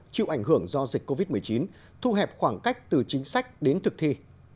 chịu ảnh hưởng do dịch covid một mươi chín thu hẹp khoảng cách từ chính sách đến thực thi